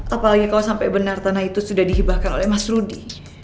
apalagi kalau sampai benar tanah itu sudah dihibahkan oleh mas rudy